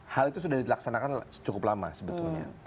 hal itu sudah dilaksanakan cukup lama sebetulnya